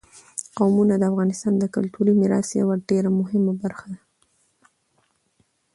قومونه د افغانستان د کلتوري میراث یوه ډېره مهمه برخه ده.